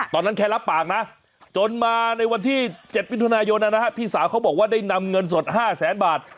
ตอนนั้นแค่รับปากนะจนมาในวันที่๗วิทยุนายนนะฮะพี่สาวเขาบอกว่าได้นำเงินสด๕๐๐๐๐๐บาท